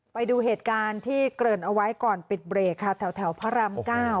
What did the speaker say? ไปดูเหตุการณ์ที่เกริ่นเอาไว้ก่อนปิดเบรกค่ะแถวพระราม๙